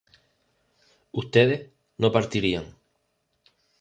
ustedes no partirían